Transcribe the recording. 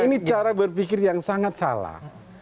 ini cara berpikir yang sangat salah